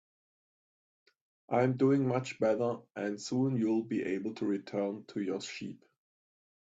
I'm doing much better, and soon you'll be able to return to your sheep.